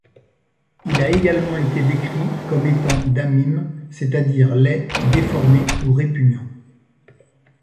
Il a également été décrit comme étant damim, c'est-à-dire laid, déformé ou répugnant.